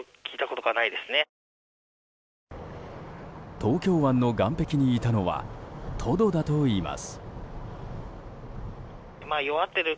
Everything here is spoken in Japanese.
東京湾の岸壁にいたのはトドだといいます。